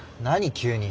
急に。